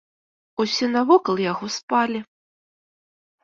Усе навокал яго спалі.